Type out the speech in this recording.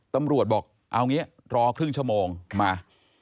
ตำรวจบอกเอางี้รอครึ่งชั่วโมงมา